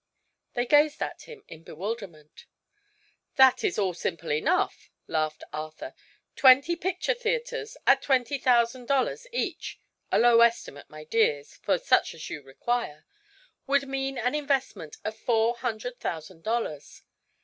They gazed at him in bewilderment. "That is all simple enough!" laughed Arthur. "Twenty picture theatres at twenty thousand dollars each a low estimate, my dears, for such as you require would mean an investment of four hundred thousand dollars.